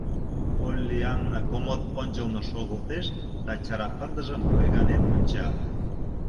Поллианна комод ончылно шогылтеш да чара пырдыжым ойганен онча.